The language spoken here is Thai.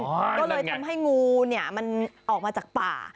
ก็เลยทำให้งูเนี่ยมันออกมาจากป่า